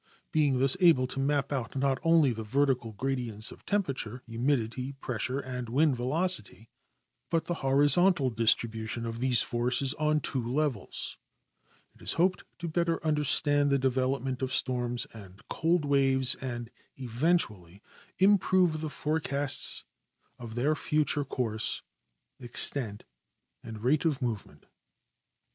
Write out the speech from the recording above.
Being thus able to map out not only the vertical gradients of tempera ture, humidity, pressure, and wind velocity, but the horizontal UNITED STA TES DA IL Y A TMOSPHERIC SUIi VK Y 303 distribution of these forces on two levels, it is hoped to better understand the development of storms and cold waves and event ually improve the forecasts of their future course, extent, and rate of movement.